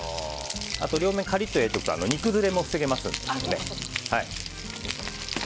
両面、カリッと焼くと煮崩れも防げますので。